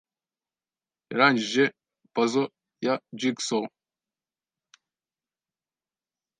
yarangije puzzle ya jigsaw.